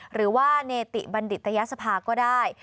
หรือว่าเนติบัณฑิตยสภาก็ได้